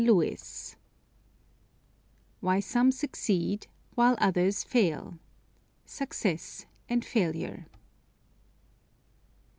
] WHY SOME SUCCEED While Others Fail. SUCCESS AND FAILURE.